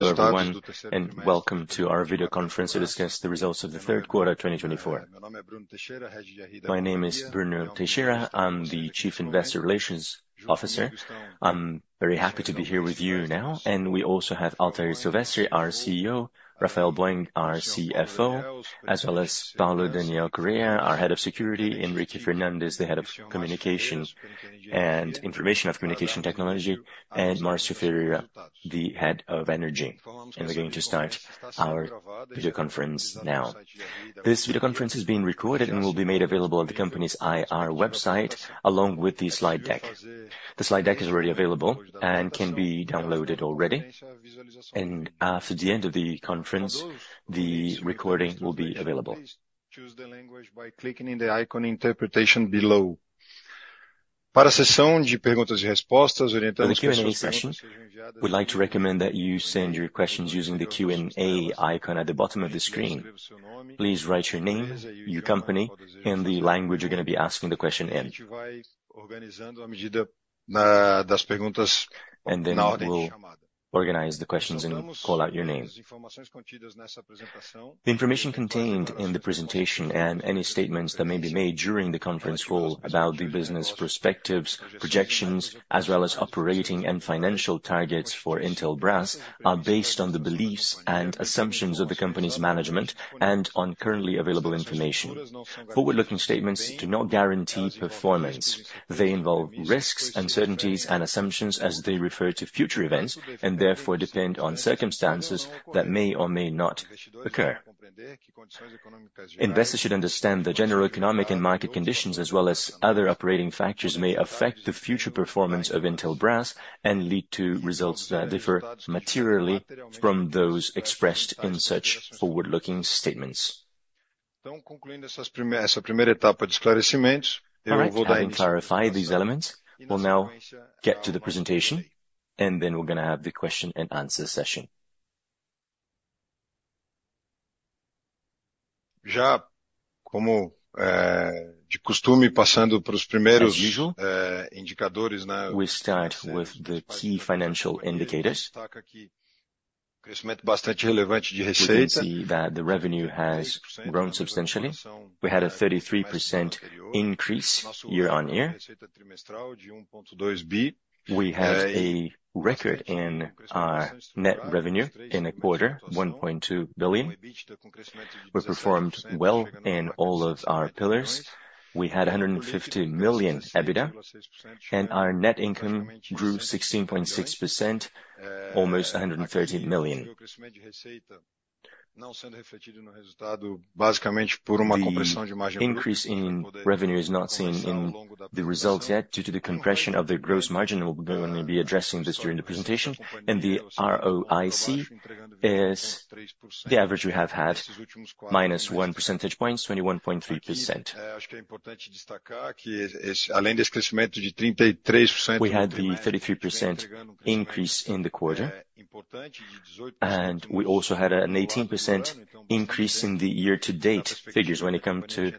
Hello, everyone, and welcome to our video conference to discuss the results of the third quarter of 2024. My name is Bruno Teixeira. I'm the Chief Investor Relations Officer. I'm very happy to be here with you now, and we also have Altair Silvestri, our CEO, Rafael Boeng, our CFO, as well as Paulo Daniel Correa, our Head of Security, Henrique Fernandez, the Head of Information and Communication Technology, and Marcio Ferreira, the Head of Energy. We're going to start our video conference now. This video conference is being recorded and will be made available on the company's IR website, along with the slide deck. The slide deck is already available and can be downloaded already, and after the end of the conference, the recording will be available. Thank you for listening. We'd like to recommend that you send your questions using the Q&A icon at the bottom of the screen. Please write your name, your company, and the language you're going to be asking the question in. And then we will organize the questions and call out your name. The information contained in the presentation and any statements that may be made during the conference call about the business perspectives, projections, as well as operating and financial targets for Intelbras are based on the beliefs and assumptions of the company's management and on currently available information. Forward-looking statements do not guarantee performance. They involve risks, uncertainties, and assumptions as they refer to future events and therefore depend on circumstances that may or may not occur. Investors should understand that general economic and market conditions, as well as other operating factors, may affect the future performance of Intelbras and lead to results that differ materially from those expressed in such forward-looking statements. Então, concluindo essa primeira etapa de esclarecimentos, eu não vou dar. Clarify these elements. We'll now get to the presentation, and then we're going to have the question-and-answer session. Já, como de costume, passando para os primeiros indicadores. We start with the key financial indicators. Crescimento bastante relevante de receitas. We can see that the revenue has grown substantially. We had a 33% increase year-on-year. We had a record in our net revenue in the quarter, 1.2 billion. We performed well in all of our pillars. We had 150 million EBITDA, and our net income grew 16.6%, almost BRL 130 million. Basicamente, por uma compressão de margem de. Increase in revenue is not seen in the results yet due to the compression of the gross margin. We'll be addressing this during the presentation. The ROIC is the average we have had, minus 1 percentage point, 21.3%. Acho que é importante destacar que, além desse crescimento de 33%. We had the 33% increase in the quarter, and we also had an 18% increase in the year-to-date figures when it comes to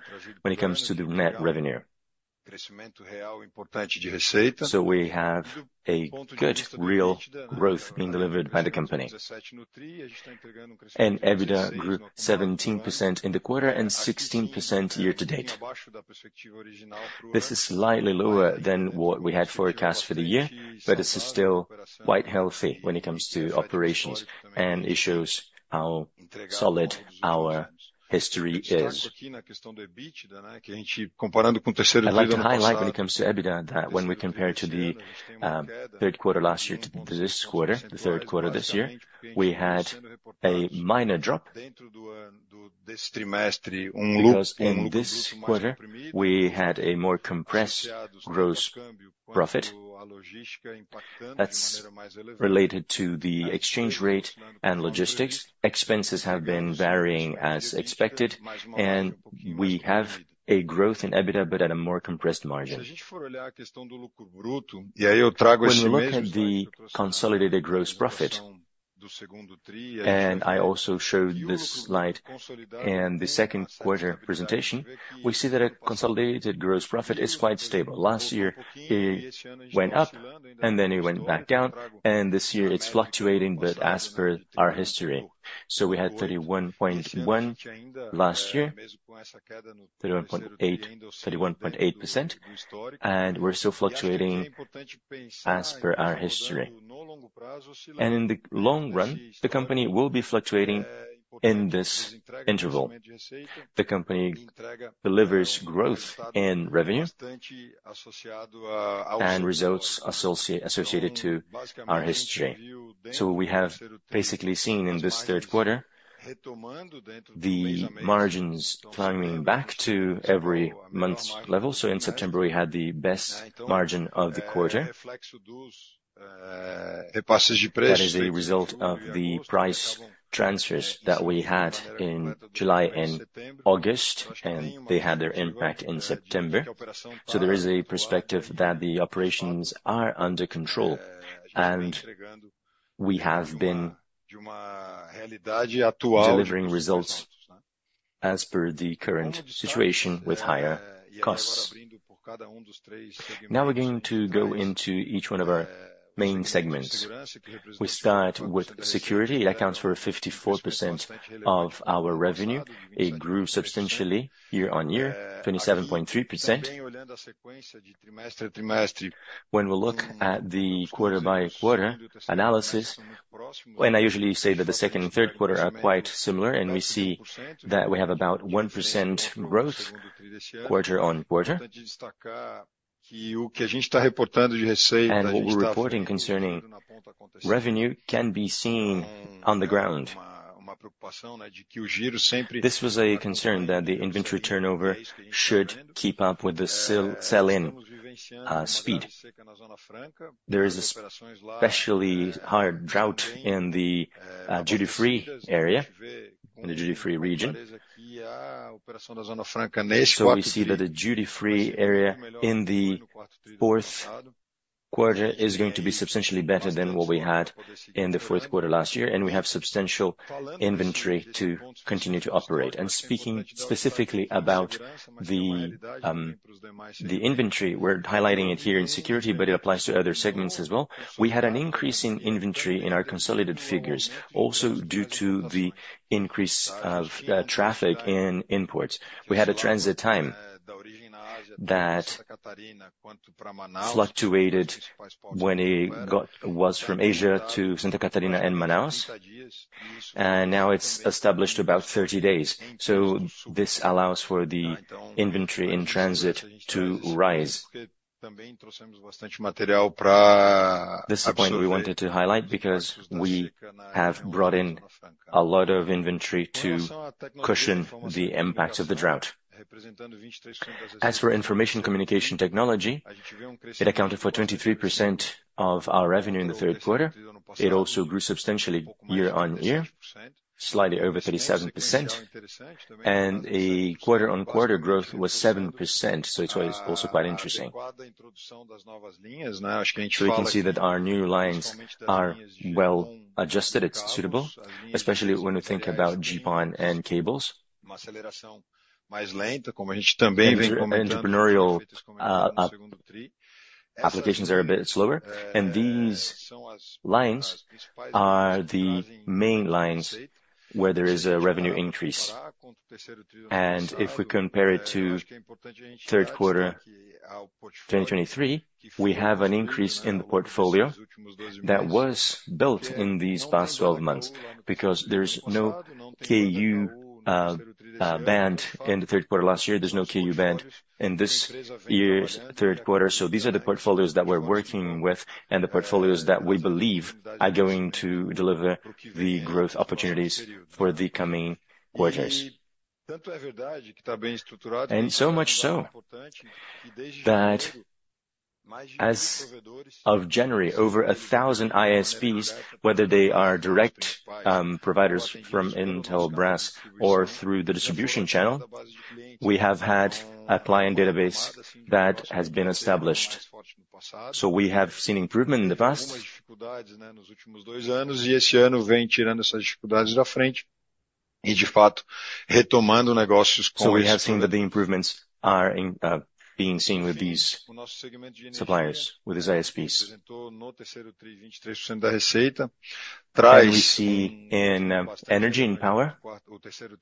the net revenue, so we have a good real growth being delivered by the company, and EBITDA grew 17% in the quarter and 16% year-to-date. This is slightly lower than what we had forecast for the year, but this is still quite healthy when it comes to operations, and it shows how solid our history is. A gente, comparando com o terceiro trimestre. I would highlight when it comes to EBITDA that when we compare to the third quarter last year to this quarter, the third quarter this year, we had a minor drop. In this quarter, we had a more compressed gross profit. That's related to the exchange rate and logistics. Expenses have been varying as expected, and we have a growth in EBITDA, but at a more compressed margin. E aí eu trago esse. When we look at the consolidated gross profit, and I also showed this slide in the second quarter presentation, we see that a consolidated gross profit is quite stable. Last year, it went up, and then it went back down, and this year it's fluctuating, but as per our history. We had 31.1% last year, 31.8%, and we're still fluctuating as per our history. In the long run, the company will be fluctuating in this interval. The company delivers growth in revenue and results associated to our history. We have basically seen in this third quarter the margins climbing back to every month's level. In September, we had the best margin of the quarter. That is a result of the price transfers that we had in July and August, and they had their impact in September. So there is a perspective that the operations are under control, and we have been delivering results as per the current situation with higher costs. Now we're going to go into each one of our main segments. We start with security. It accounts for 54% of our revenue. It grew substantially year-on-year, 27.3%. When we look at the quarter-by-quarter analysis, and I usually say that the second and third quarter are quite similar, and we see that we have about 1% growth quarter on quarter. What we're reporting concerning revenue can be seen on the ground. This was a concern that the inventory turnover should keep up with the sell-in speed. There is especially higher throughput in the duty-free area, in the duty-free region, so we see that the duty-free area in the fourth quarter is going to be substantially better than what we had in the fourth quarter last year, and we have substantial inventory to continue to operate, and speaking specifically about the inventory, we're highlighting it here in security, but it applies to other segments as well. We had an increase in inventory in our consolidated figures, also due to the increase of traffic in imports. We had a transit time that fluctuated when it was from Asia to Santa Catarina and Manaus, and now it's established to about 30 days, so this allows for the inventory in transit to rise. This is the point we wanted to highlight because we have brought in a lot of inventory to cushion the impact of the drought. As for information communication technology, it accounted for 23% of our revenue in the third quarter. It also grew substantially year-on-year, slightly over 37%, and a quarter-on-quarter growth was 7%, so it's also quite interesting, so we can see that our new lines are well adjusted. It's suitable, especially when we think about GPON and cables, and entrepreneurial applications are a bit slower, and these lines are the main lines where there is a revenue increase, and if we compare it to third quarter 2023, we have an increase in the portfolio that was built in these past 12 months because there's no Ku band in the third quarter last year. There's no Ku band in this year's third quarter. These are the portfolios that we're working with and the portfolios that we believe are going to deliver the growth opportunities for the coming quarters. And so much so that as of January, over 1,000 ISPs, whether they are direct providers from Intelbras or through the distribution channel, we have had a client database that has been established. So we have seen improvement in the past. E esse ano vem tirando essas dificuldades da frente e, de fato, retomando negócios com. So we have seen that the improvements are being seen with these suppliers, with these ISPs. And we see in energy and power.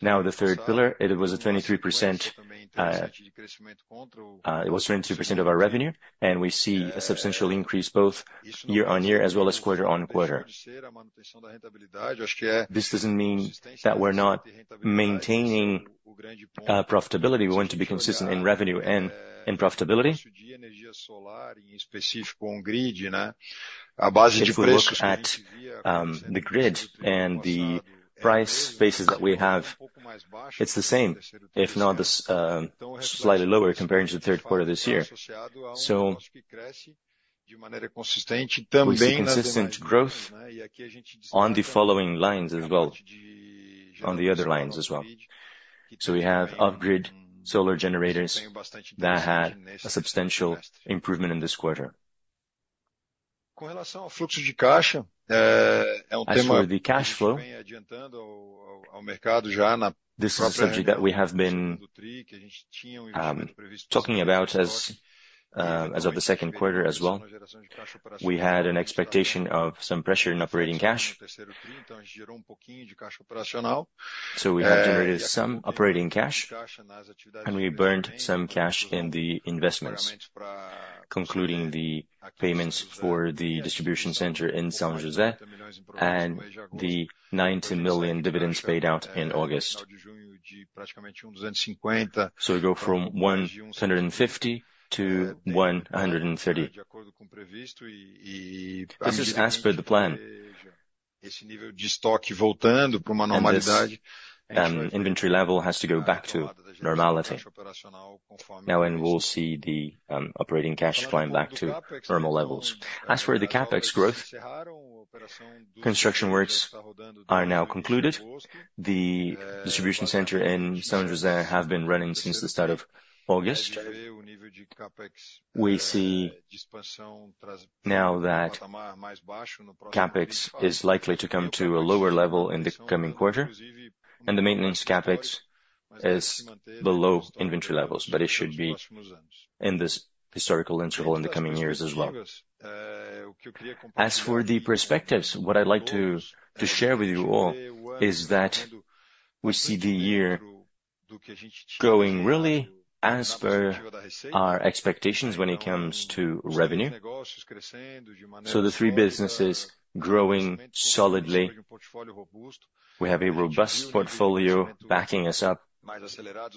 Now the third pillar, it was a 23% of our revenue, and we see a substantial increase both year-on-year as well as quarter-on-quarter. This doesn't mean that we're not maintaining profitability. We want to be consistent in revenue and in profitability. The cost base at the grid and the price basis that we have, it's the same, if not slightly lower comparing to the third quarter this year. So we see consistent growth on the following lines as well, on the other lines as well. So we have upgraded solar generators that had a substantial improvement in this quarter. As for the cash flow. This is a subject that we have been talking about as of the second quarter as well. We had an expectation of some pressure in operating cash, so we have generated some operating cash, and we burned some cash in the investments, concluding the payments for the distribution center in São José and the 90 million dividends paid out in August, so we go from 150 to 130. This is as per the plan. Inventory level has to go back to normality. Now we'll see the operating cash flying back to normal levels. As for the CAPEX growth, construction works are now concluded. The distribution center in São José has been running since the start of August. We see now that CAPEX is likely to come to a lower level in the coming quarter, and the maintenance CAPEX is below inventory levels, but it should be in this historical interval in the coming years as well. As for the perspectives, what I'd like to share with you all is that we see the year going really as per our expectations when it comes to revenue. So the three businesses are growing solidly. We have a robust portfolio backing us up. We saw faster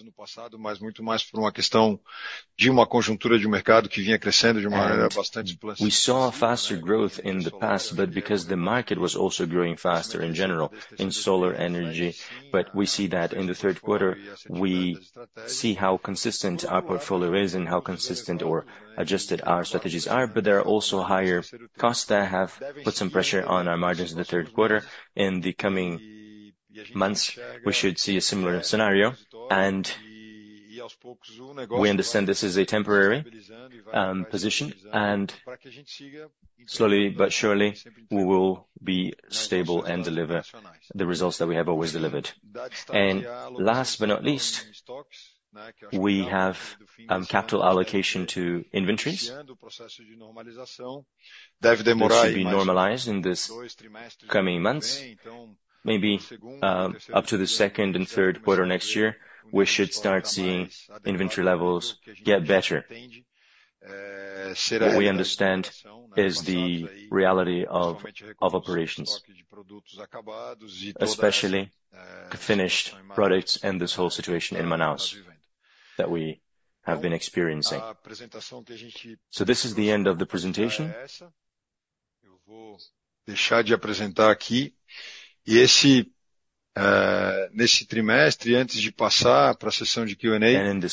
growth in the past, but because the market was also growing faster in general, in solar energy. But we see that in the third quarter, we see how consistent our portfolio is and how consistent or adjusted our strategies are, but there are also higher costs that have put some pressure on our margins in the third quarter. In the coming months, we should see a similar scenario, and we understand this is a temporary position, and slowly but surely we will be stable and deliver the results that we have always delivered. And last but not least, we have capital allocation to inventories. That should be normalized in this coming months. Maybe up to the second and third quarter next year, we should start seeing inventory levels get better. What we understand is the reality of operations, especially finished products and this whole situation in Manaus that we have been experiencing. So this is the end of the presentation. In this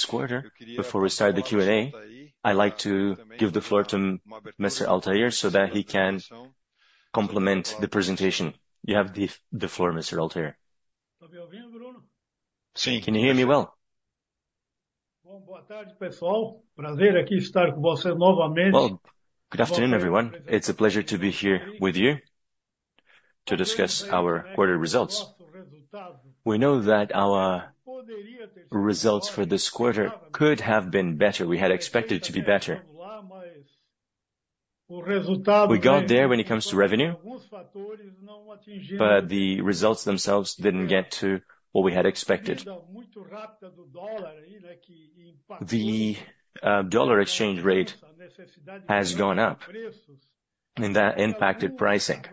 quarter, before we start the Q&A, I'd like to give the floor to Mr. Lier so that he can complement the presentation. You have the floor, Mr. Altair Can you hear me well? Boa tarde, pessoal. Prazer aqui estar com vocês novamente. Good afternoon, everyone. It's a pleasure to be here with you to discuss our quarter results. We know that our results for this quarter could have been better. We had expected it to be better. We got there when it comes to revenue, but the results themselves didn't get to what we had expected. The dollar exchange rate has gone up, and that impacted pricing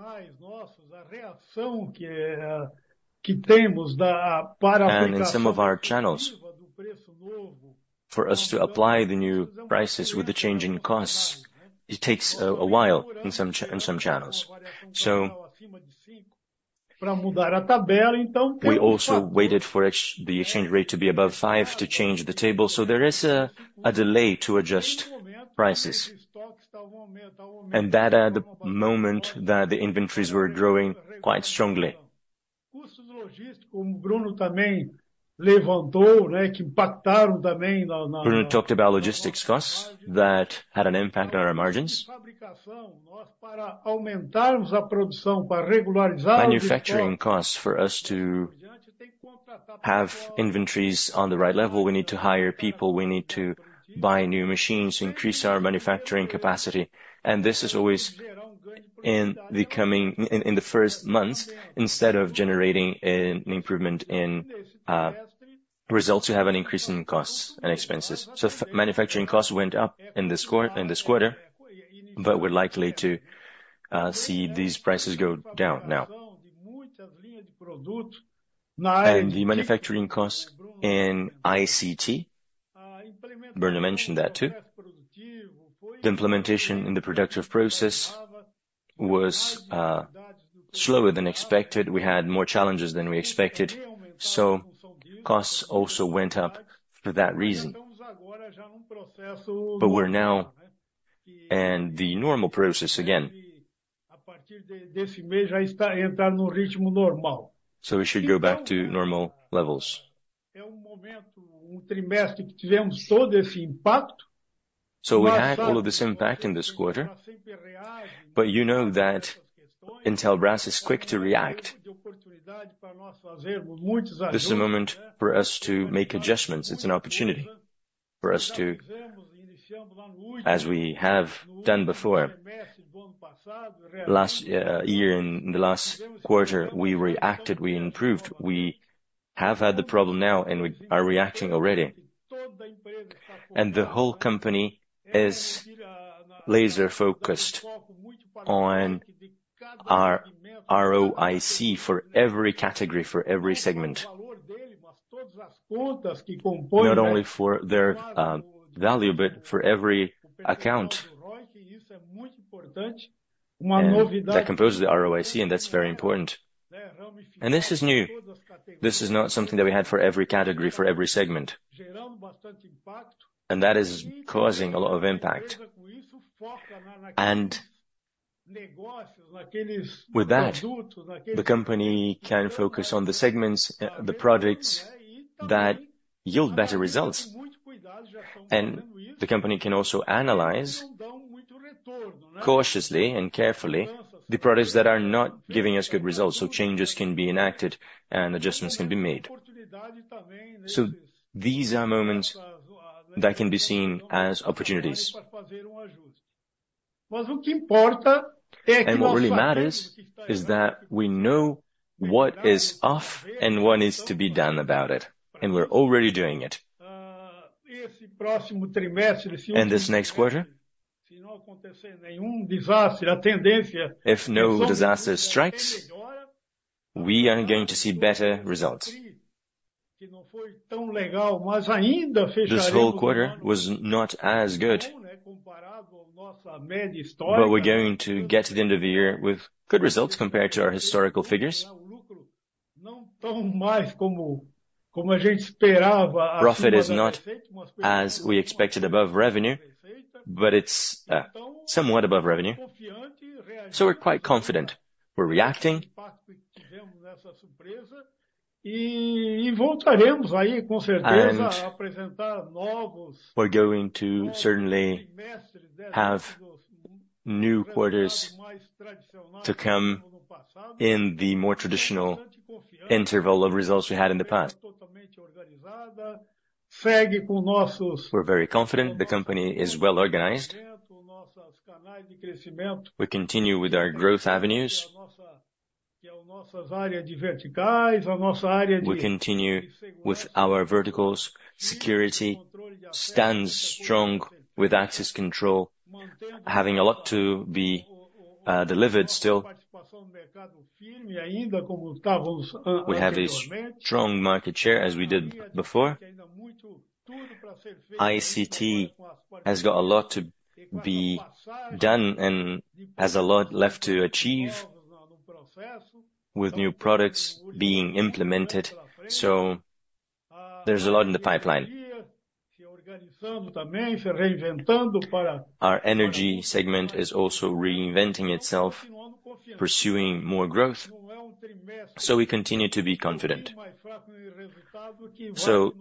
and in some of our channels, for us to apply the new prices with the changing costs, it takes a while in some channels, so we also waited for the exchange rate to be above five to change the table, so there is a delay to adjust prices and that at the moment that the inventories were growing quite strongly. Bruno talked about logistics costs that had an impact on our margins. Manufacturing costs for us to have inventories on the right level. We need to hire people. We need to buy new machines to increase our manufacturing capacity, and this is always in the first months, instead of generating an improvement in results, you have an increase in costs and expenses, so manufacturing costs went up in this quarter, but we're likely to see these prices go down now, and the manufacturing costs in ICT, Bruno mentioned that too. The implementation in the productive process was slower than expected. We had more challenges than we expected, so costs also went up for that reason, but we're now in the normal process again, so we should go back to normal levels, so we had all of this impact in this quarter, but you know that Intelbras is quick to react. This is a moment for us to make adjustments. It's an opportunity for us to, as we have done before. Last year, in the last quarter, we reacted, we improved. We have had the problem now, and we are reacting already, and the whole company is laser-focused on our ROIC for every category, for every segment. Not only for their value, but for every account. That composes the ROIC, and that's very important, and this is new. This is not something that we had for every category, for every segment, and that is causing a lot of impact. And with that, the company can focus on the segments, the products that yield better results. And the company can also analyze cautiously and carefully the products that are not giving us good results, so changes can be enacted and adjustments can be made. These are moments that can be seen as opportunities. What really matters is that we know what is off and what needs to be done about it. We're already doing it. This next quarter, if no disaster strikes, we are going to see better results. This whole quarter was not as good, but we're going to get to the end of the year with good results compared to our historical figures. Profit is not as we expected above revenue, but it's somewhat above revenue. We're quite confident. We're reacting. We're going to certainly have new quarters to come in the more traditional interval of results we had in the past. We're very confident. The company is well organized. We continue with our growth avenues. We continue with our verticals. Security stands strong with access control, having a lot to be delivered still. We have a strong market share as we did before. ICT has got a lot to be done and has a lot left to achieve with new products being implemented, so there's a lot in the pipeline. Our energy segment is also reinventing itself, pursuing more growth, so we continue to be confident, so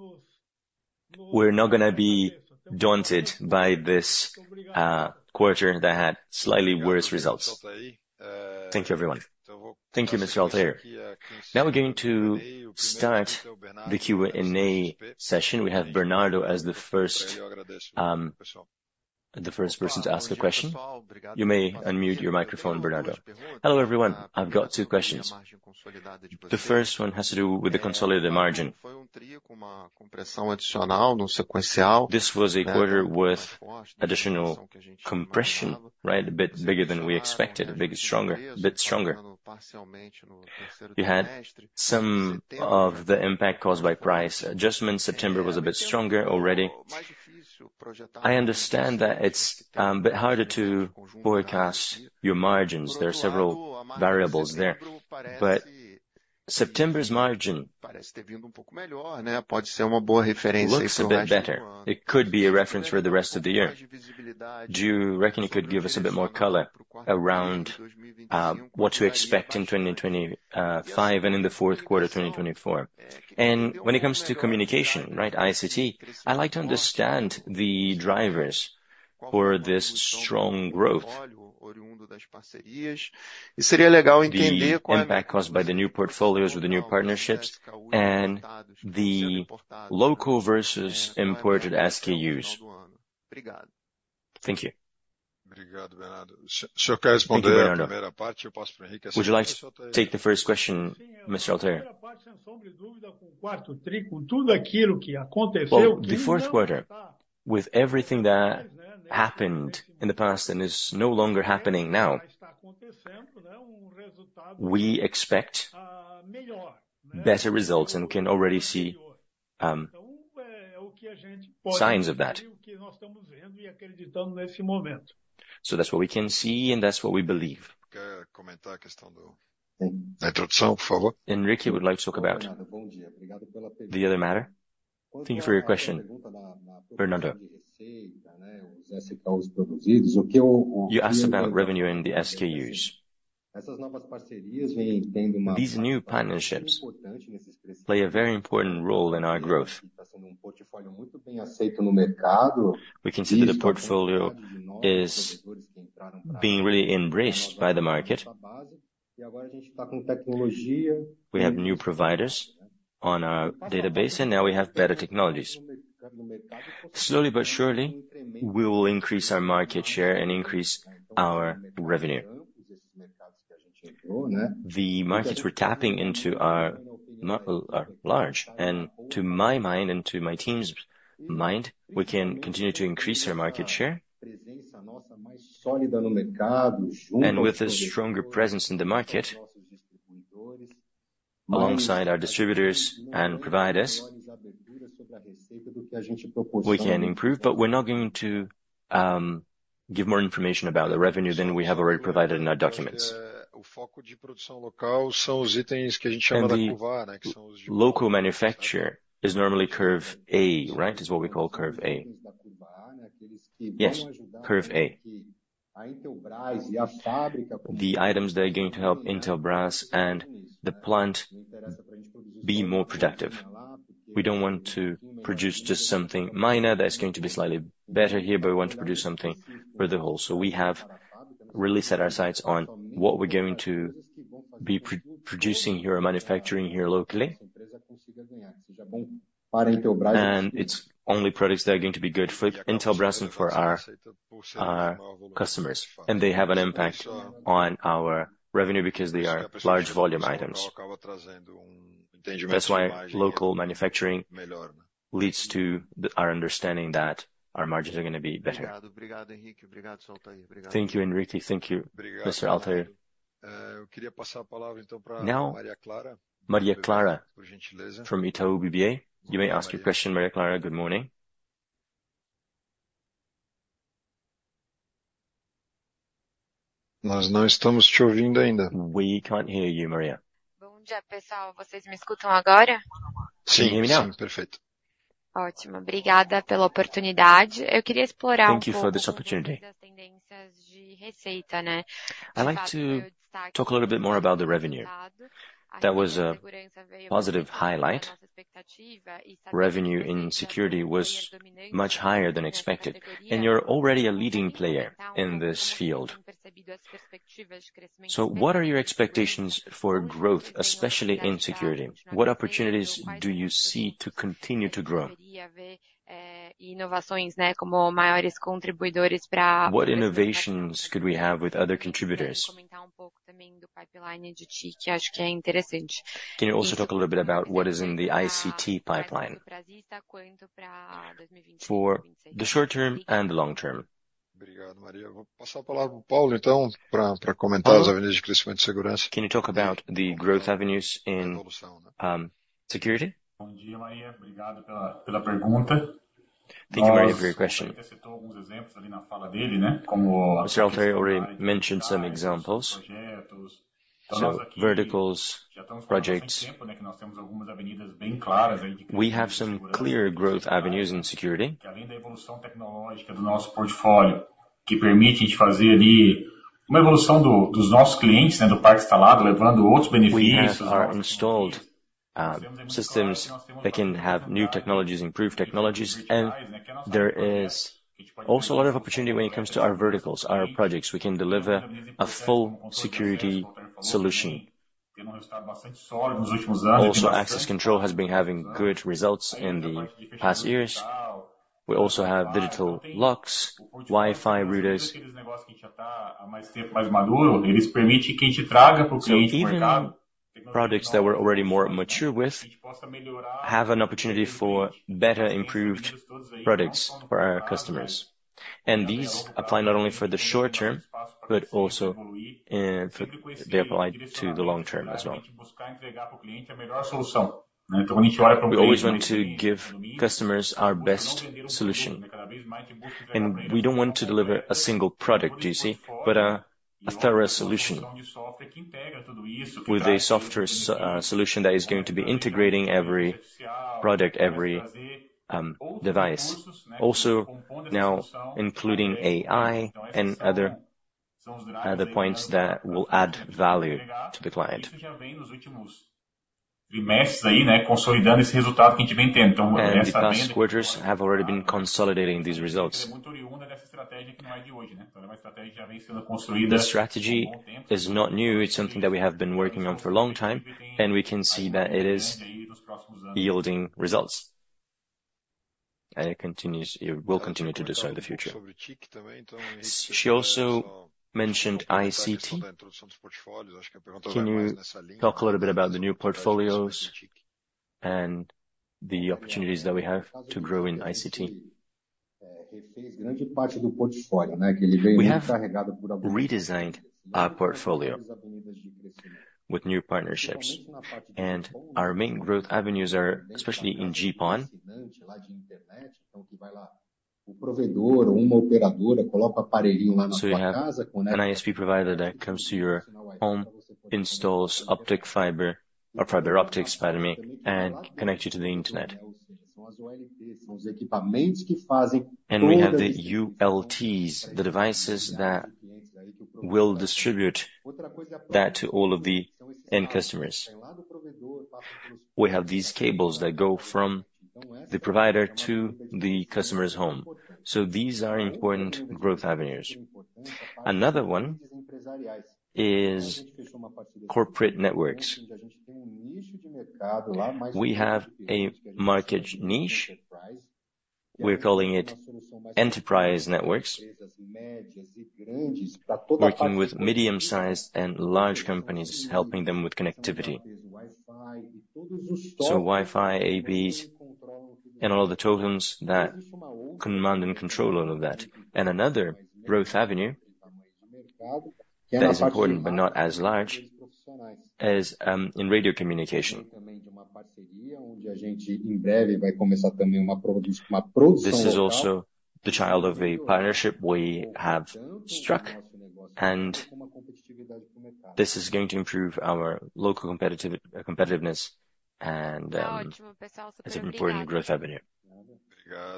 we're not going to be daunted by this quarter that had slightly worse results. Thank you, everyone. Thank you, Mr. Altair. Now we're going to start the Q&A session. We have Bernardo as the first person to ask a question. You may unmute your microphone, Bernardo. Hello, everyone. I've got two questions. The first one has to do with the consolidated margin. This was a quarter with additional compression, right? A bit bigger than we expected, a bit stronger. You had some of the impact caused by price adjustments. September was a bit stronger already. I understand that it's a bit harder to forecast your margins. There are several variables there. But September's margin could be a reference for the rest of the year. Do you reckon it could give us a bit more color around what to expect in 2025 and in the fourth quarter of 2024? And when it comes to communication, right, ICT, I'd like to understand the drivers for this strong growth. It would be important to understand the impact caused by the new portfolios with the new partnerships and the local versus imported SKUs. Thank you. Só quero responder a primeira parte. Would you like to take the first question, Mr. Altair? Oh, the fourth quarter, with everything that happened in the past and is no longer happening now, we expect better results and can already see signs of that. So that's what we can see, and that's what we believe. Henrique would like to talk about the other matter. Thank you for your question, Bernardo. You asked about revenue in the SKUs. These new partnerships play a very important role in our growth. We can see that the portfolio is being really embraced by the market. We have new providers on our database, and now we have better technologies. Slowly but surely, we will increase our market share and increase our revenue. The markets we're tapping into are large, and to my mind and to my team's mind, we can continue to increase our market share, and with a stronger presence in the market alongside our distributors and providers, we can improve, but we're not going to give more information about the revenue than we have already provided in our documents. Local manufacture is normally Curve A, right? Is what we call Curve A. The items that are going to help Intelbras and the plant be more productive. We don't want to produce just something minor that's going to be slightly better here, but we want to produce something for the whole. So we have released at our sites on what we're going to be producing here or manufacturing here locally, and it's only products that are going to be good for Intelbras and for our customers. And they have an impact on our revenue because they are large volume items. That's why local manufacturing leads to our understanding that our margins are going to be better. Thank you, Henrique. Thank you, Mr. Altair. Não? Maria Clara, from Itaú BBA. You may ask your question, Maria Clara. Good morning. Nós não estamos te ouvindo ainda. We can't hear you, Maria. Bom dia, pessoal. Vocês me escutam agora? Sim, realmente sim. Perfeito. Ótimo. Obrigada pela oportunidade. Eu queria explorar um pouco das tendências de receita. I'd like to talk a little bit more about the revenue. That was a positive highlight. Revenue in security was much higher than expected, and you're already a leading player in this field. So what are your expectations for growth, especially in security? What opportunities do you see to continue to grow? What innovations could we have with other contributors? Can you also talk a little bit about what is in the ICT pipeline? For the short term and the long term? Obrigado, Maria. Vou passar a palavra para o Paulo, então, para comentar as avenidas de crescimento e segurança. Can you talk about the growth avenues in security? Bom dia, Maria. Obrigado pela pergunta. Thank you very much for your question. O Sr. Altair already mentioned some examples. We have some clear growth avenues in security. Além da evolução tecnológica do nosso portfólio, que permite a gente fazer ali uma evolução dos nossos clientes, do parque instalado, levando outros benefícios. Our installed systems, they can have new technologies, improved technologies, and there is also a lot of opportunity when it comes to our verticals, our projects. We can deliver a full security solution. Also Access control has been having good results in the past years. We also have Digital locks, Wi-Fi routers. These projects that were already more mature will have an opportunity for better improved products for our customers. And these apply not only for the short term, but also they apply to the long term as well. We always want to give customers our best solution. We don't want to deliver a single product, you see, but a thorough solution with a software solution that is going to be integrating every product, every device, also now including AI and other points that will add value to the client. Other quarters have already been consolidating these results. The strategy is not new. It's something that we have been working on for a long time, and we can see that it is yielding results, and it will continue to do so in the future. She also mentioned ICT. Can you talk a little bit about the new portfolios and the opportunities that we have to grow in ICT? We have redesigned our portfolio with new partnerships, and our main growth avenues are especially in GPON. You have an ISP provider that comes to your home, installs optic fiber, or fiber optics, pardon me, and connects you to the internet. And we have the OLTs, the devices that will distribute that to all of the end customers. We have these cables that go from the provider to the customer's home. So these are important growth avenues. Another one is corporate networks. We have a market niche. We're calling it enterprise networks, working with medium-sized and large companies, helping them with connectivity. So Wi-Fi APs and all of the tokens that command and control all of that. And another growth avenue that is important, but not as large as in radio communication. This is also the child of a partnership we have struck. And this is going to improve our local competitiveness. And it's an important growth avenue.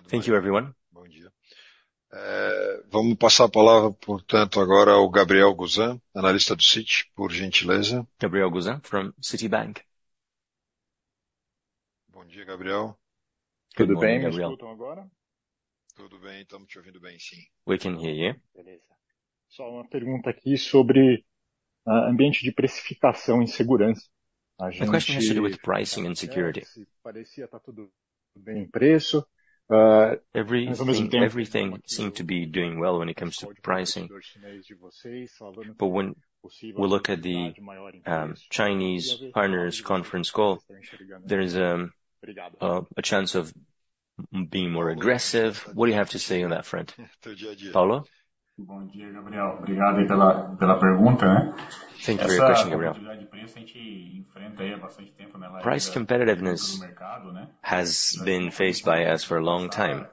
Thank you, everyone. Bom dia. Vamos passar a palavra, portanto, agora ao Gabriel Gusan, analista do Citi, por gentileza. Gabriel Gusan from Citibank. Bom dia, Gabriel. Tudo bem, Gabriel? Tudo bem, estamos te ouvindo bem, sim. We can hear you. Beleza. Só uma pergunta aqui sobre ambiente de precificação e segurança. The question yesterday with pricing and security. Everything seemed to be doing well when it comes to pricing. But when we look at the Chinese partners' conference call, there is a chance of being more aggressive. What do you have to say on that front? Paulo? Bom dia, Gabriel. Obrigado aí pela pergunta. Thank you for your question, Gabriel. Price competitiveness has been faced by us for a long time.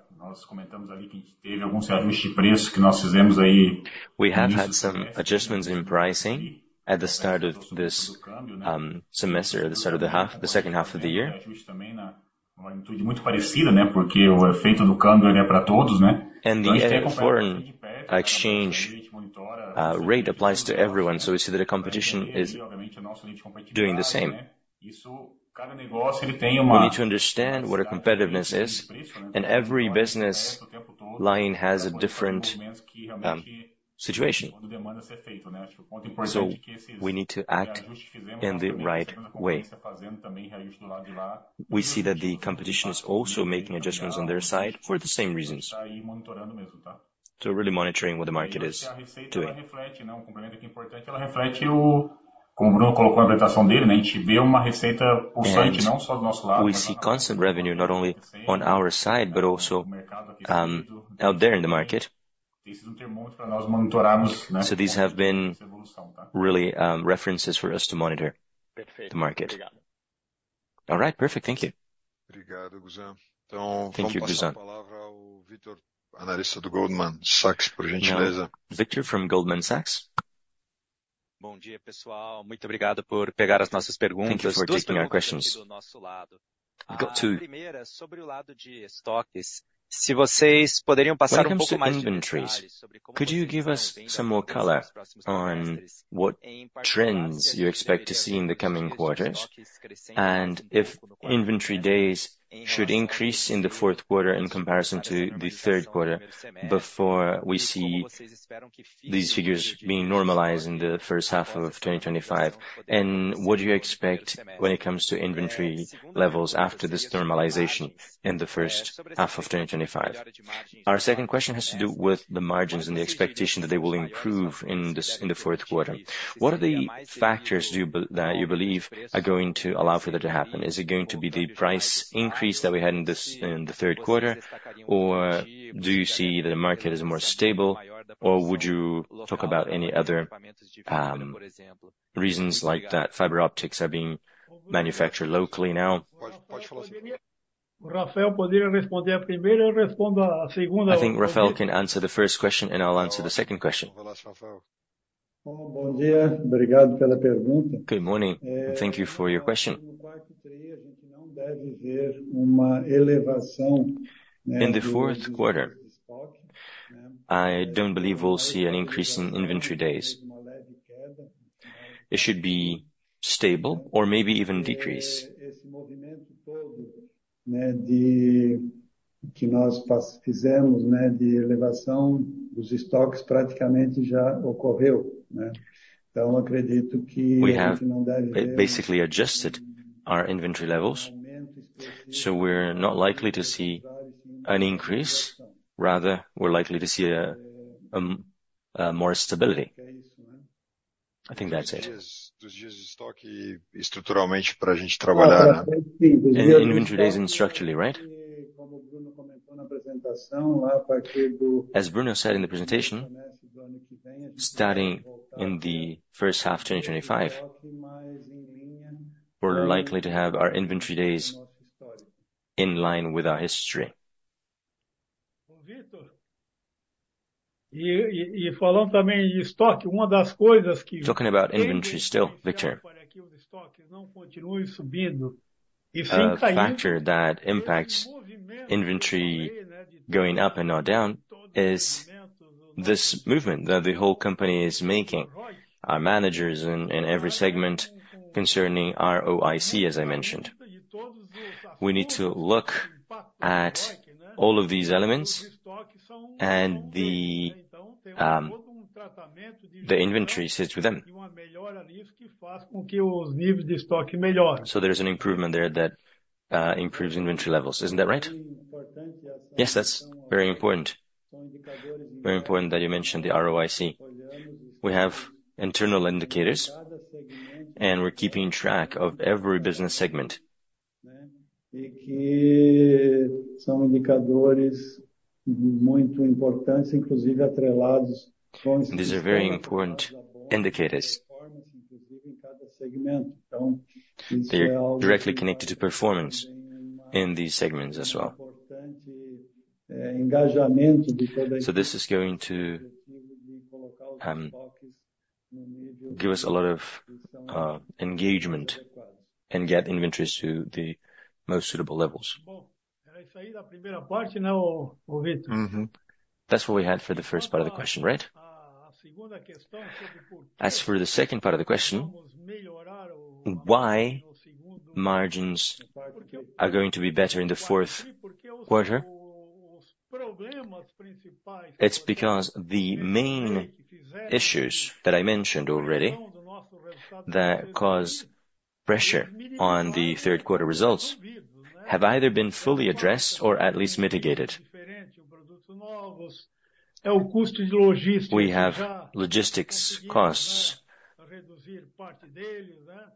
We have had some adjustments in pricing at the start of this semester, at the start of the second half of the year. The year foreign exchange rate applies to everyone, so we see that the competition is doing the same. We need to understand what competitiveness is, and every business line has a different situation. So we need to act in the right way. We see that the competition is also making adjustments on their side for the same reasons. So really monitoring what the market is doing. Como o Bruno colocou na apresentação dele, a gente vê uma receita pulsante, não só do nosso lado. We see constant revenue not only on our side, but also out there in the market. So these have been really references for us to monitor the market. All right, perfect. Thank you. Obrigado, Guzan. Thank you, Gusan. Vamos passar a palavra ao Vítor, analista do Goldman Sachs, por gentileza. Vítor from Goldman Sachs. Bom dia, pessoal. Muito obrigado por pegar as nossas perguntas. Thank you for taking our questions. We've got two. Primeira, sobre o lado de estoques. Se vocês poderiam passar pouco mais de detalhes sobre. Could you give us some more color on what trends you expect to see in the coming quarters? And if inventory days should increase in the fourth quarter in comparison to the third quarter before we see these figures being normalized in the first half of 2025? And what do you expect when it comes to inventory levels after this normalization in the first half of 2025? Our second question has to do with the margins and the expectation that they will improve in the fourth quarter. What are the factors that you believe are going to allow for that to happen? Is it going to be the price increase that we had in the third quarter, or do you see that the market is more stable, or would you talk about any other reasons like that fiber optics are being manufactured locally now? I think Rafael can answer the first question, and I'll answer the second question. Good morning. Thank you for your question. In the fourth quarter, I don't believe we'll see an increase in inventory days. It should be stable or maybe even decrease. O que nós fizemos de elevação dos estoques praticamente já ocorreu. Então acredito que a gente não deve ver. We have basically adjusted our inventory levels, so we're not likely to see an increase. Rather, we're likely to see more stability. I think that's it. As Bruno said in the presentation, starting in the first half of 2025, we're likely to have our inventory days in line with our history. E falando também de estoque, uma das coisas que. Talking about inventory still, Vítor. The factor that impacts inventory going up and not down is this movement that the whole company is making, our managers in every segment concerning our ROIC, as I mentioned. We need to look at all of these elements, and the inventory sits with them. So there's an improvement there that improves inventory levels. Isn't that right? Yes, that's very important. Very important that you mentioned the ROIC. We have internal indicators, and we're keeping track of every business segment. These are very important indicators. So this is going to give us a lot of engagement and get inventories to the most suitable levels. That's what we had for the first part of the question, right? As for the second part of the question, why are margins going to be better in the fourth quarter? It's because the main issues that I mentioned already that cause pressure on the third quarter results have either been fully addressed or at least mitigated. We have logistics costs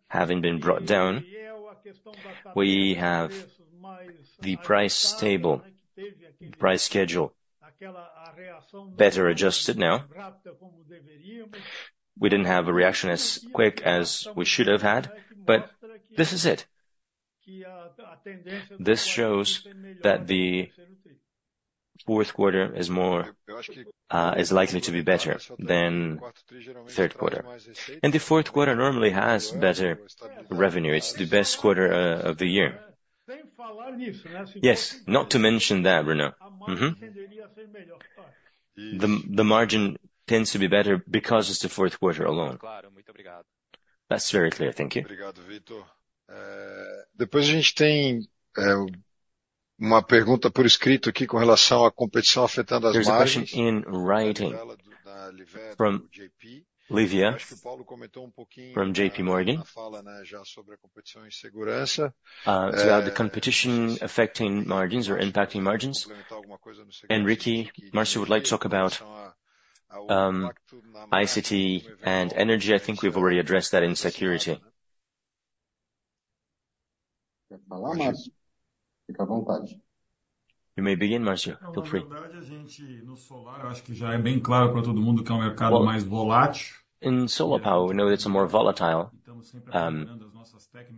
having been brought down. We have the price table, price schedule better adjusted now. We didn't have a reaction as quick as we should have had, but this is it. This shows that the fourth quarter is likely to be better than the third quarter, and the fourth quarter normally has better revenue. It's the best quarter of the year. Yes, not to mention that, Bruno. The margin tends to be better because it's the fourth quarter alone. That's very clear. Thank you. Obrigado, Vítor. Depois a gente tem uma pergunta por escrito aqui com relação à competição afetando as margens. In writing from JP Morgan. Is that the competition affecting margins or impacting margins? And Henrique, Marcio would like to talk about ICT and energy. I think we've already addressed that in security. You may begin, Marcio. Feel free. Eu acho que já é bem claro para todo mundo que é mercado mais volátil. In solar power, we know it's a more volatile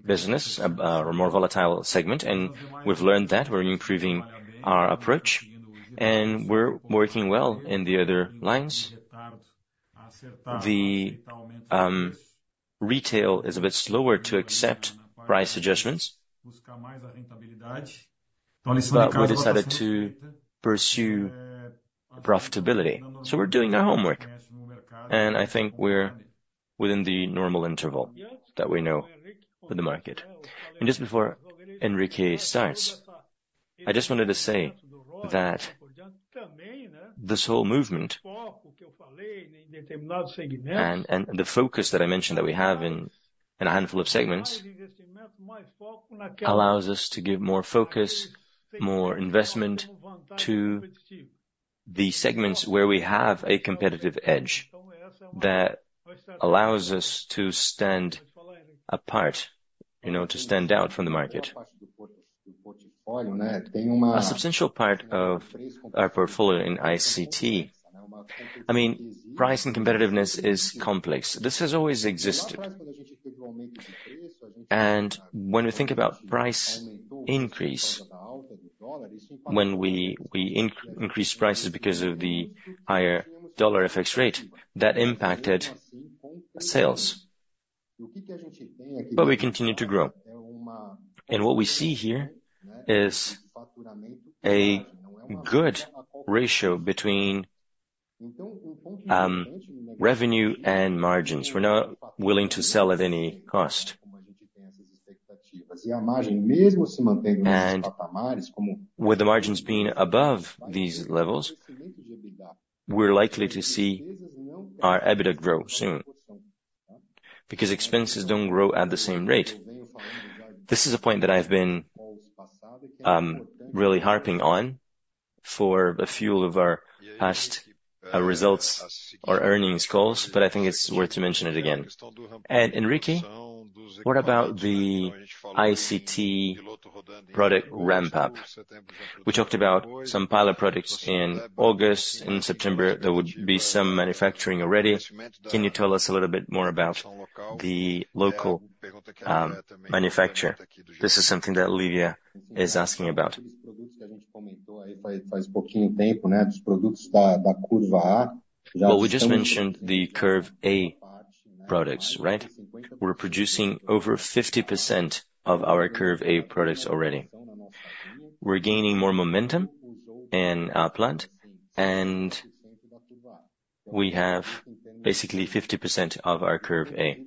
business, a more volatile segment, and we've learned that. We're improving our approach, and we're working well in the other lines. The retail is a bit slower to accept price adjustments, but we decided to pursue profitability, so we're doing our homework, and I think we're within the normal interval that we know with the market, and just before Henrique starts, I just wanted to say that this whole movement and the focus that I mentioned that we have in a handful of segments allows us to give more focus, more investment to the segments where we have a competitive edge that allows us to stand apart, to stand out from the market. A substantial part of our portfolio in ICT, I mean, price and competitiveness is complex. This has always existed. And when we think about price increase, when we increase prices because of the higher dollar exchange rate, that impacted sales. But we continue to grow. And what we see here is a good ratio between revenue and margins. We're not willing to sell at any cost. With the margins being above these levels, we're likely to see our EBITDA grow soon because expenses don't grow at the same rate. This is a point that I've been really harping on for a few of our past results or earnings calls, but I think it's worth to mention it again. And Henrique, what about the ICT product ramp-up? We talked about some pilot products in August, in September. There would be some manufacturing already. Can you tell us a little bit more about the local manufacturer? This is something that Olivia is asking about. We just mentioned the Curve A products, right? We're producing over 50% of our Curve A products already. We're gaining more momentum in our plant, and we have basically 50% of our Curve A,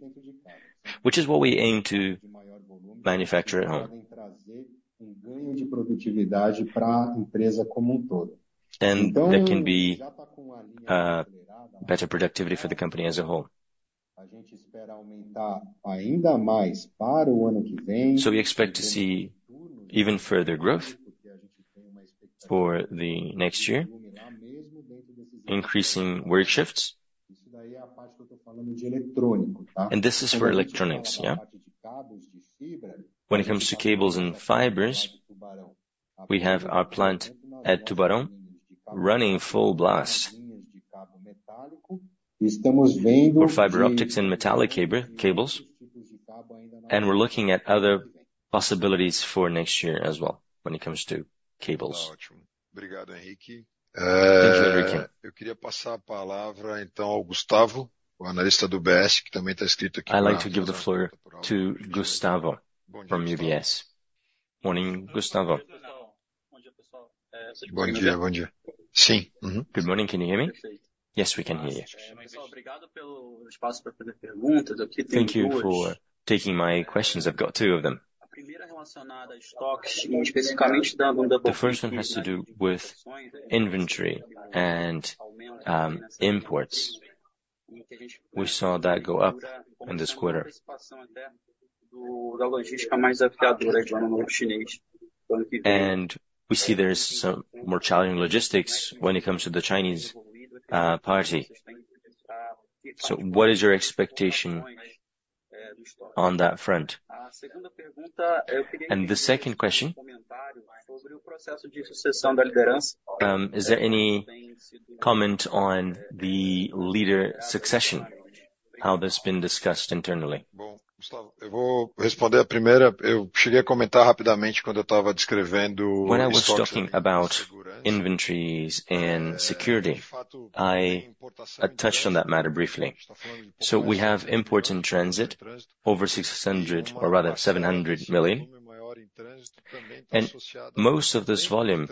which is what we aim to manufacture at home. That can be better productivity for the company as a whole. We expect to see even further growth for the next year, increasing work shifts. This is for electronics, yeah? When it comes to cables and fibers, we have our plant at Tubarão running full blast for fiber optics and metallic cables, and we're looking at other possibilities for next year as well when it comes to cables. Thank you, Henrique. Eu queria passar a palavra então ao Gustavo, o analista do UBS, que também está escrito aqui na tela. I'd like to give the floor to Gustavo from UBS. Morning, Gustavo. Bom dia, bom dia. Sim. Good morning, can you hear me? Yes, we can hear you. Pessoal, obrigado pelo espaço para fazer perguntas. Thank you for taking my questions. I've got two of them. The first one has to do with inventory and imports. We saw that go up in this quarter. And we see there's some more challenging logistics when it comes to the Chinese port. So what is your expectation on that front? And the second question. Is there any comment on the leadership succession, how that's been discussed internally? Eu vou responder a primeira. Eu cheguei a comentar rapidamente quando eu estava descrevendo. When I was talking about inventories and security, I touched on that matter briefly. So we have imports in transit over 600 million or rather 700 million, and most of this volume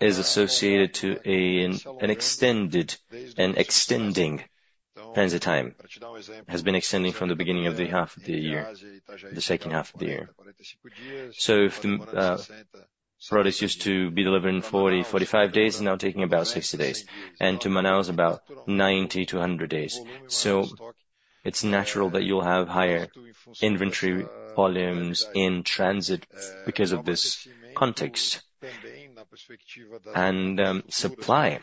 is associated to an extended transit time. It has been extending from the beginning of the half of the year, the second half of the year. So if the products used to be delivered in 40, 45 days, now taking about 60 days, and to manage about 90-100 days. So it's natural that you'll have higher inventory volumes in transit because of this context. And supply,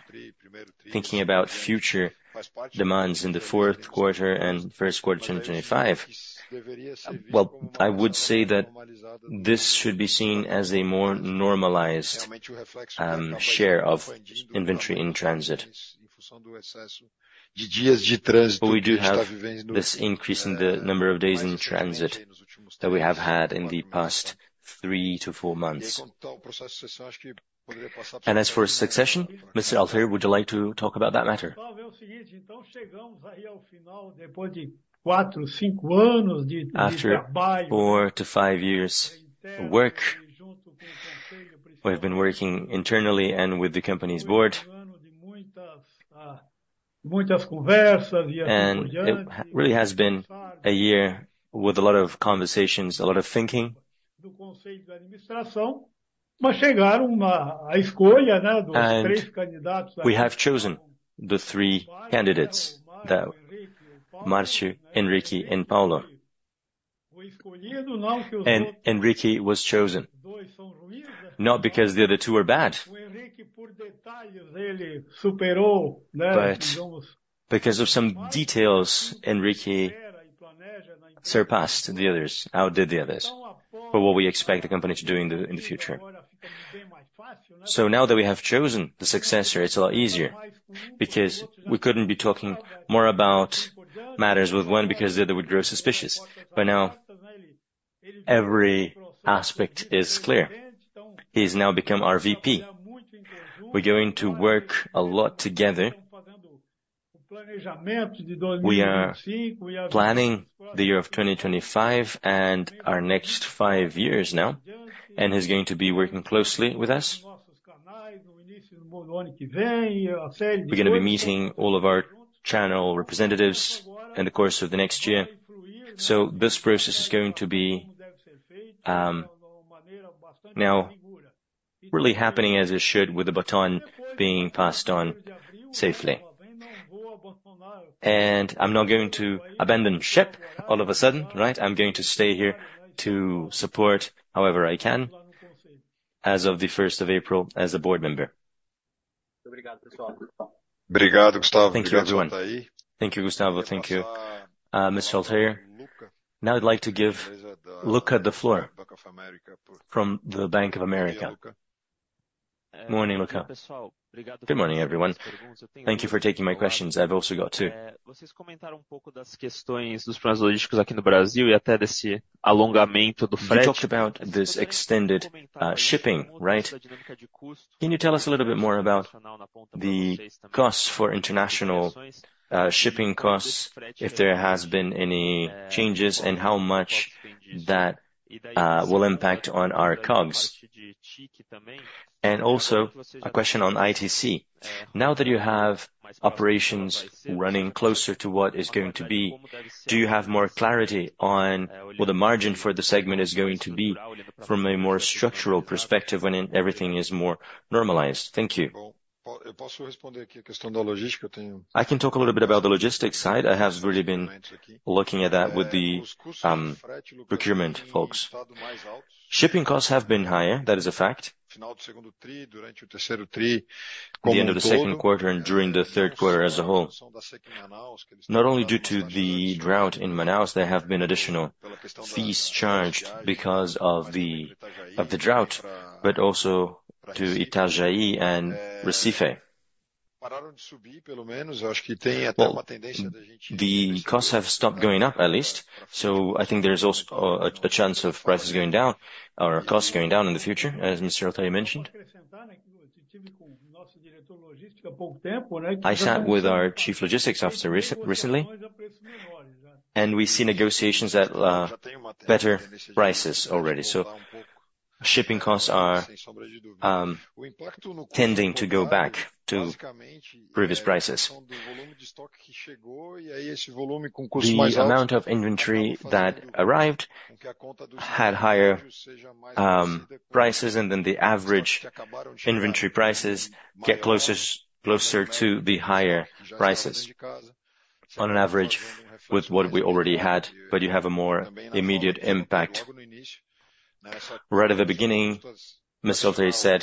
thinking about future demands in the fourth quarter and first quarter 2025, well, I would say that this should be seen as a more normalized share of inventory in transit. But we do have this increase in the number of days in transit that we have had in the past three to four months. And as for succession, Mr. Altair, would you like to talk about that matter? After four-to-five years of work, we have been working internally and with the company's board. It really has been a year with a lot of conversations, a lot of thinking. We have chosen the three candidates, Marcio, Henrique and Paulo. Henrique was chosen not because the other two were bad, but because of some details Henrique surpassed the others, outdid the others for what we expect the company to do in the future. Now that we have chosen the successor, it's a lot easier because we couldn't be talking more about matters with one because the other would grow suspicious. Now every aspect is clear. He's now become our VP. We're going to work a lot together. We are planning the year of 2025 and our next five years now, and he's going to be working closely with us. We're going to be meeting all of our channel representatives in the course of the next year. This process is going to be now really happening as it should with the baton being passed on safely. I'm not going to abandon ship all of a sudden, right? I'm going to stay here to support however I can as of the first of April as a board member. Obrigado, Gustavo. Thank you, everyone. Thank you, Gustavo. Thank you, Mr. Altair. Now I'd like to give Luca the floor from the Bank of America. Morning, Luca. Good morning, everyone. Thank you for taking my questions. I've also got two. Vocês comentaram pouco das questões dos produtos logísticos aqui no Brasil e até desse alongamento do frete. You talked about this extended shipping, right? Can you tell us a little bit more about the costs for international shipping costs, if there have been any changes, and how much that will impact on our COGS? And also a question on ICT. Now that you have operations running closer to what is going to be, do you have more clarity on what the margin for the segment is going to be from a more structural perspective when everything is more normalized? Thank you. I can talk a little bit about the logistics side. I have really been looking at that with the procurement folks. Shipping costs have been higher. That is a fact. At the end of the second quarter and during the third quarter as a whole. Not only due to the drought in Manaus, but also to Itajaí and Recife, there have been additional fees charged because of the drought. The costs have stopped going up, at least. So I think there's also a chance of prices going down or costs going down in the future, as Mr. Altair mentioned. I sat with our chief logistics officer recently, and we see negotiations at better prices already. So shipping costs are tending to go back to previous prices. The amount of inventory that arrived had higher prices, and then the average inventory prices get closer to the higher prices on average with what we already had, but you have a more immediate impact. Right at the beginning, Mr. Altair said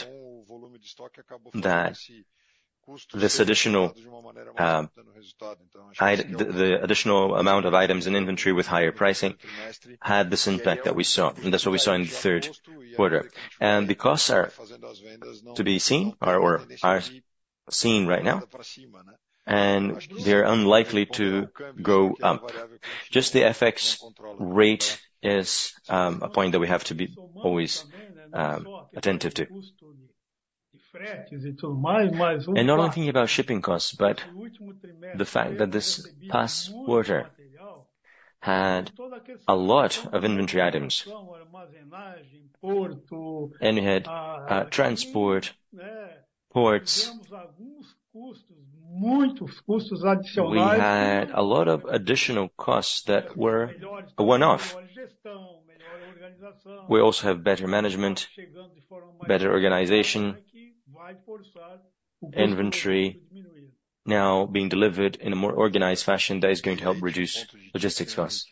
that this additional amount of items in inventory with higher pricing had this impact that we saw, and that's what we saw in the third quarter. And the costs are to be seen or are seen right now, and they're unlikely to go up. Just the FX rate is a point that we have to be always attentive to. And not only thinking about shipping costs, but the fact that this past quarter had a lot of inventory items, and we had transport, ports, we had a lot of additional costs that were a one-off. We also have better management, better organization, inventory now being delivered in a more organized fashion that is going to help reduce logistics costs.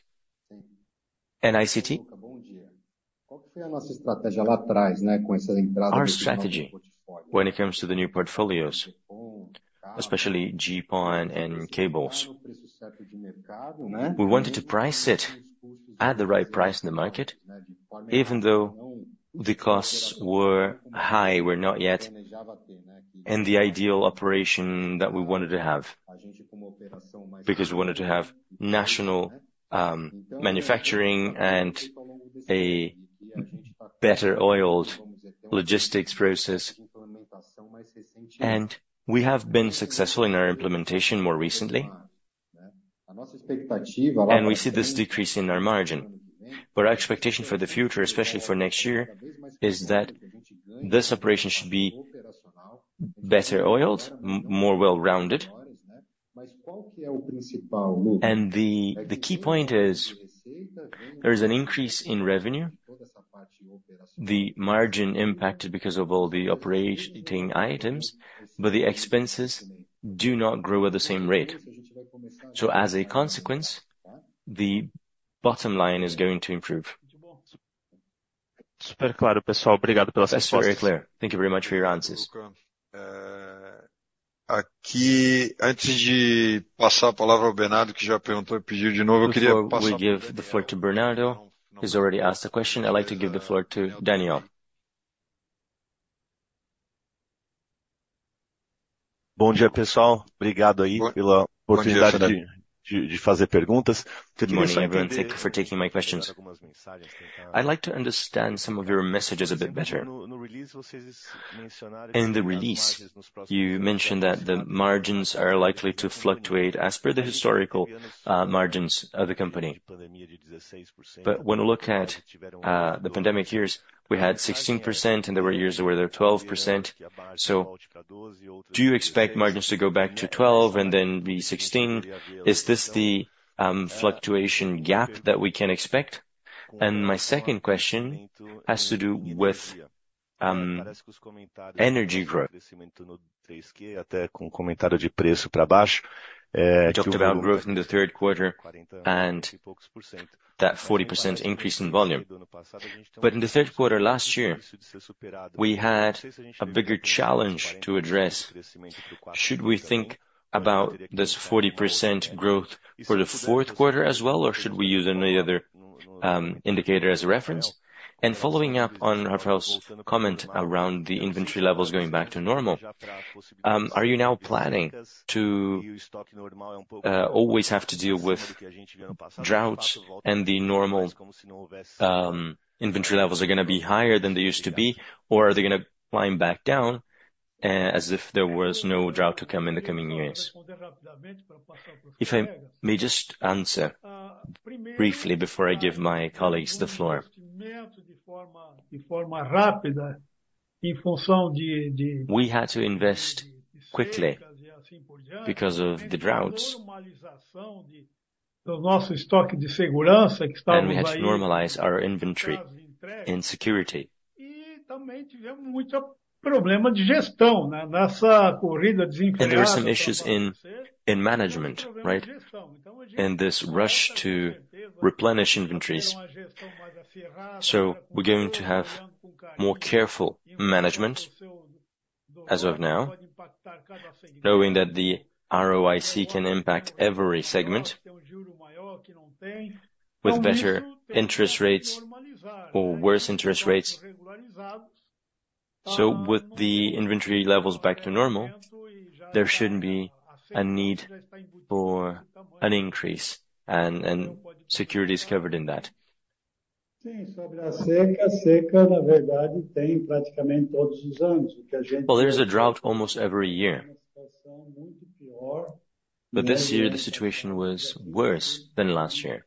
And ICT? Our strategy, when it comes to the new portfolios, especially GPON and cables, we wanted to price it at the right price in the market, even though the costs were high, were not yet in the ideal operation that we wanted to have. Because we wanted to have national manufacturing and a better-oiled logistics process. And we have been successful in our implementation more recently, and we see this decrease in our margin. But our expectation for the future, especially for next year, is that this operation should be better-oiled, more well-rounded. And the key point is there is an increase in revenue. The margin impacted because of all the operating items, but the expenses do not grow at the same rate. So as a consequence, the bottom line is going to improve. Super claro, pessoal. Obrigado pela sua história. It's very clear. Thank you very much for your answers. Aqui, antes de passar a palavra ao Bernardo, que já perguntou e pediu de novo, eu queria passar. We give the floor to Bernardo. He's already asked a question. I'd like to give the floor to Daniel. Bom dia, pessoal. Obrigado aí pela oportunidade de fazer perguntas. Good morning, everyone. Thank you for taking my questions. I'd like to understand some of your messages a bit better. In the release, you mentioned that the margins are likely to fluctuate as per the historical margins of the company. But when we look at the pandemic years, we had 16%, and there were years where there were 12%. So do you expect margins to go back to 12 and then be 16? Is this the fluctuation gap that we can expect? And my second question has to do with energy growth. Já tivemos growth in the third quarter and that 40% increase in volume. But in the third quarter last year, we had a bigger challenge to address. Should we think about this 40% growth for the fourth quarter as well, or should we use any other indicator as a reference? And following up on Rafael's comment around the inventory levels going back to normal, are you now planning to always have to deal with droughts and the normal inventory levels are going to be higher than they used to be, or are they going to climb back down as if there was no drought to come in the coming years? If I may just answer briefly before I give my colleagues the floor. We had to invest quickly because of the droughts, and we had to normalize our inventory in security. And there were some issues in management, right, in this rush to replenish inventories. So we're going to have more careful management as of now, knowing that the ROIC can impact every segment with better interest rates or worse interest rates. So with the inventory levels back to normal, there shouldn't be a need for an increase, and security is covered in that. Sim, sobre a seca, na verdade, tem praticamente todos os anos. There's a drought almost every year. But this year the situation was worse than last year.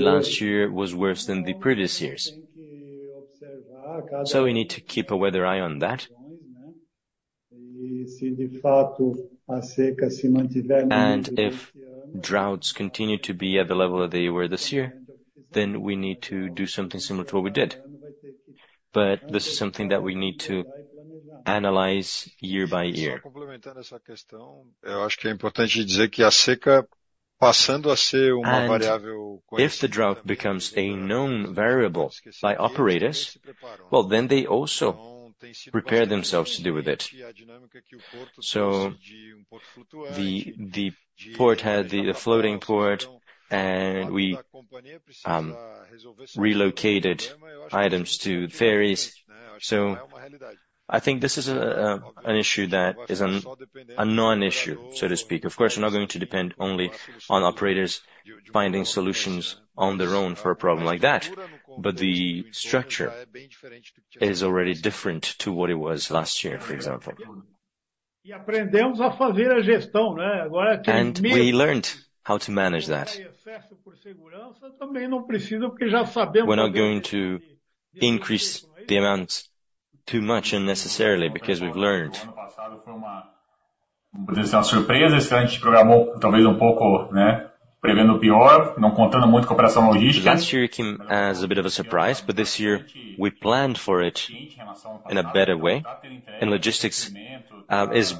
Last year was worse than the previous years. So we need to keep a weather eye on that. If droughts continue to be at the level that they were this year, then we need to do something similar to what we did. This is something that we need to analyze year by year. Eu acho que é importante dizer que a seca, passando a ser uma variável. If the drought becomes a known variable by operators, well, then they also prepare themselves to deal with it. The port had the floating port, and we relocated items to ferries. I think this is an issue that is a non-issue, so to speak. Of course, we're not going to depend only on operators finding solutions on their own for a problem like that. The structure is already different to what it was last year, for example. We learned how to manage that. We're not going to increase the amount too much unnecessarily because we've learned. Last year came as a bit of a surprise, but this year we planned for it in a better way, and logistics is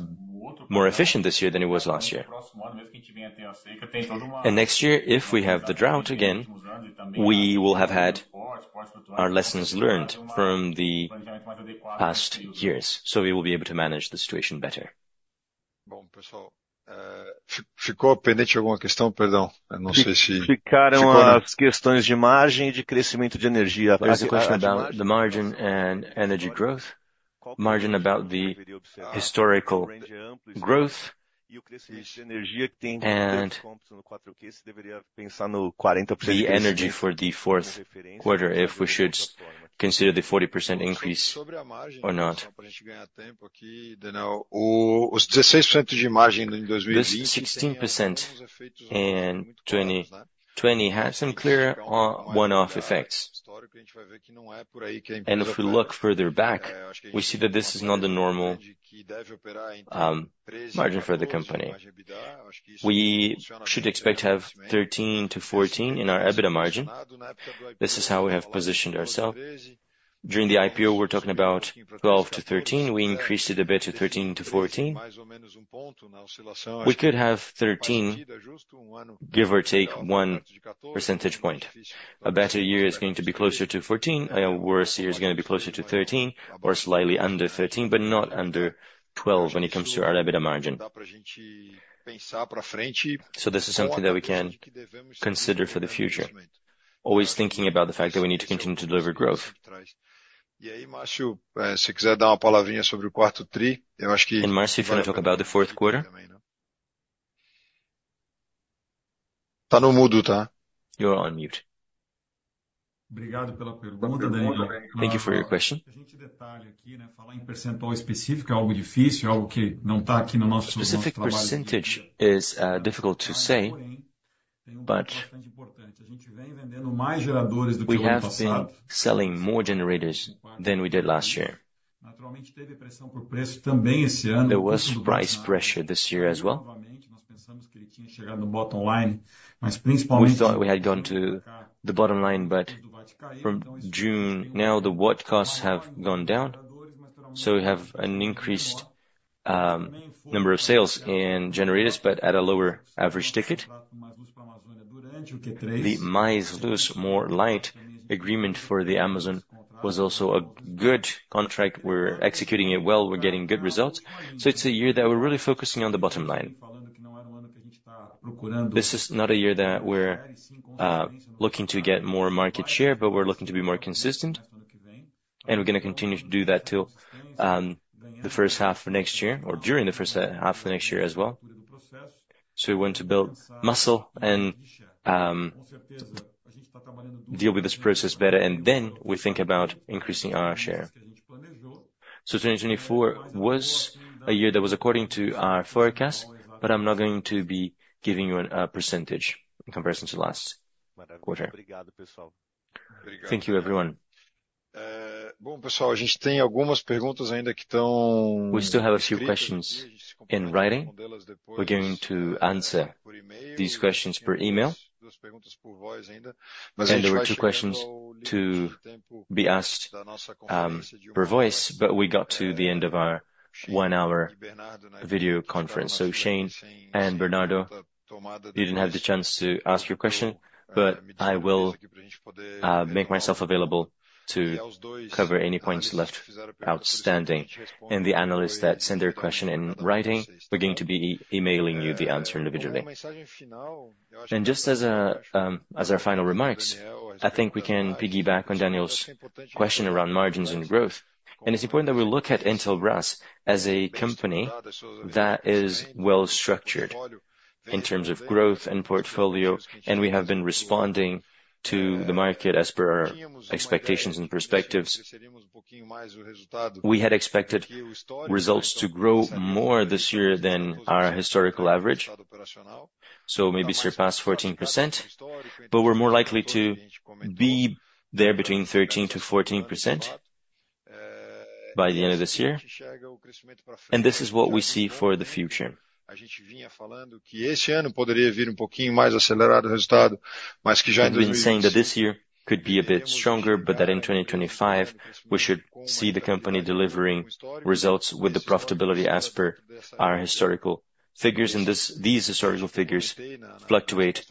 more efficient this year than it was last year. And next year, if we have the drought again, we will have had our lessons learned from the past years, so we will be able to manage the situation better. Ficou a penúltima questão, perdão. Eu não sei se. Ficaram as questões de margem e de crescimento de energia. The margin and energy growth, margin about the historical growth and. The energy for the fourth quarter, if we should consider the 40% increase or not? Os 16% de margem em 2020. The 16% in 2020 had some clear one-off effects, and if we look further back, we see that this is not the normal margin for the company. We should expect to have 13%-14% in our EBITDA margin. This is how we have positioned ourselves. During the IPO, we're talking about 12%-13%. We increased it a bit to 13%-14%. We could have 13%, give or take one percentage point. A better year is going to be closer to 14%, a worse year is going to be closer to 13%, or slightly under 13%, but not under 12% when it comes to our EBITDA margin. So this is something that we can consider for the future, always thinking about the fact that we need to continue to deliver growth. Se quiser dar uma palavrinha sobre o quarto tri, eu acho que. Marcio, if you want to talk about the fourth quarter. Tá no mudo, tá? You're on mute. Obrigado pela pergunta, Daniel. Thank you for your question. Falar em percentual específico é algo difícil, é algo que não tá aqui no nosso quadro. Specific percentage is difficult to say, but. Selling more generators than we did last year. There was price pressure this year as well. We thought we had gone to the bottom line, but from June now the water costs have gone down, so we have an increased number of sales in generators, but at a lower average ticket. The Mais Luz, more light agreement for the Amazon was also a good contract. We're executing it well. We're getting good results. So it's a year that we're really focusing on the bottom line. This is not a year that we're looking to get more market share, but we're looking to be more consistent, and we're going to continue to do that till the first half of next year or during the first half of next year as well. So we want to build muscle and deal with this process better, and then we think about increasing our share. So 2024 was a year that was according to our forecast, but I'm not going to be giving you a percentage in comparison to last quarter. Thank you, everyone. Bom, pessoal, a gente tem algumas perguntas ainda que estão. We still have a few questions in writing. We're going to answer these questions per email, and there were two questions to be asked per voice, but we got to the end of our one-hour video conference, so Shane and Bernardo, you didn't have the chance to ask your question, but I will make myself available to cover any points left. Outstanding, and the analysts that send their question in writing, we're going to be emailing you the answer individually, and just as our final remarks, I think we can piggyback on Daniel's question around margins and growth, and it's important that we look at Intelbras as a company that is well-structured in terms of growth and portfolio, and we have been responding to the market as per our expectations and perspectives. We had expected results to grow more this year than our historical average, so maybe surpass 14%, but we're more likely to be there between 13 to 14% by the end of this year, and this is what we see for the future. Eu estava dizendo que this year could be a bit stronger, but that in 2025 we should see the company delivering results with the profitability as per our historical figures, and these historical figures fluctuate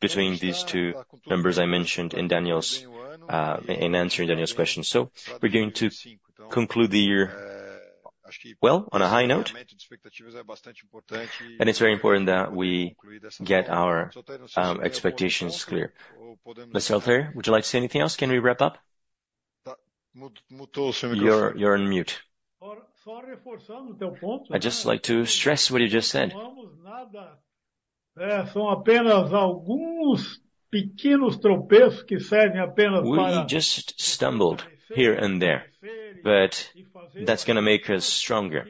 between these two numbers I mentioned in answering Daniel's question. So we're going to conclude the year well on a high note, and it's very important that we get our expectations clear. Mr. Altair, would you like to say anything else? Can we wrap up? You're on mute. I'd just like to stress what you just said. We just stumbled here and there, but that's going to make us stronger,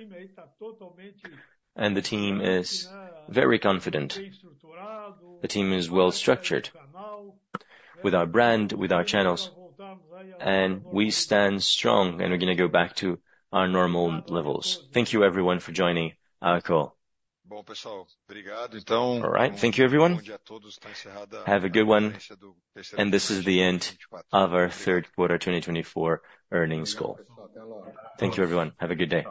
and the team is very confident. The team is well-structured with our brand, with our channels, and we stand strong, and we're going to go back to our normal levels. Thank you, everyone, for joining our call. All right. Thank you, everyone. Have a good one. This is the end of our third quarter 2024 earnings call. Thank you, everyone. Have a good day.